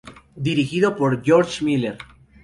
Dirigido por George Miller.